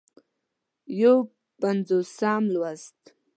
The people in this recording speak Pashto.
یو پينځوسم لوست